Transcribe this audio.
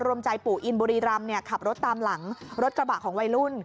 รวมใจปู่อินบุรีรำขับรถตามหลังรถกระบะของวัยรุ่น